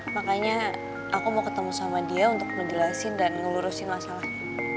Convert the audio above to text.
makanya aku mau ketemu sama dia untuk ngejelasin dan ngelurusin masalahnya